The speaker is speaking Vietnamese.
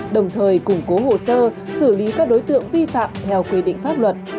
đồng thời củng cố hồ sơ xử lý các đối tượng vi phạm theo quy định pháp luật